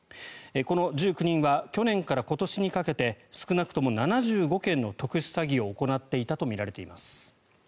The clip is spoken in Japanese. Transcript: この１９人は去年から今年にかけて少なくとも７５件の特殊詐欺を行っていたとみられています。